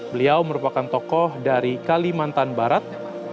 beliau merupakan tokoh dari kalimantan barat